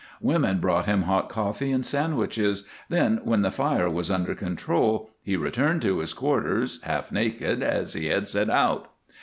Women brought him hot coffee and sandwiches, then when the fire was under control he returned to his quarters, half naked, as he had set out.